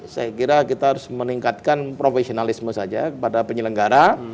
saya kira kita harus meningkatkan profesionalisme saja kepada penyelenggara